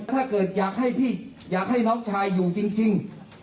ถ้าเกิดอยากให้พี่อยากให้น้องชายอยู่จริง